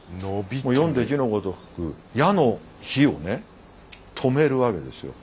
読んで字のごとく野の火をね止めるわけですよ。